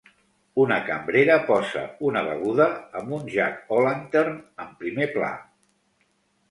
Una cambrera posa una beguda, amb un "jack-o'lantern" en primer pla.